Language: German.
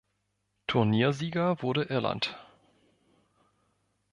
Turniersieger wurde Irland.